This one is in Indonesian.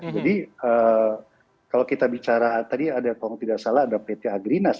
jadi kalau kita bicara tadi ada kalau tidak salah ada pta greenness